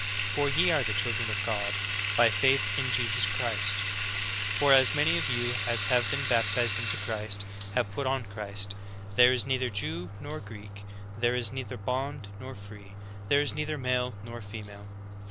For ye are all the children of God by faith in Jesus Christ. For as many of you as have been baptized into Christ, have put on Christ. There is neither Jew nor Greek, there is neither bond nor free, there is neither male nor female; for ye are ^ Isaiah 24: 5; read verses 1 to 6 inclusive.